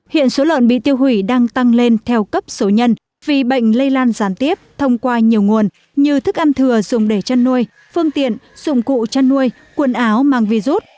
hiện số lợn bị tiêu hủy đang tăng lên theo cấp số nhân vì bệnh lây lan gián tiếp thông qua nhiều nguồn như thức ăn thừa dùng để chăn nuôi phương tiện dụng cụ chăn nuôi quần áo mang vi rút